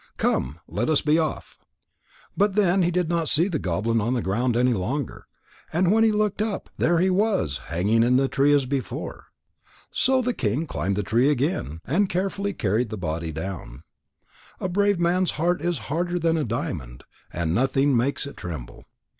Come, let us be off." But then he did not see the goblin on the ground any longer. And when he looked up, there he was, hanging in the tree as before. So the king climbed the tree again, and carefully carried the body down. A brave man's heart is harder than a diamond, and nothing makes it tremble.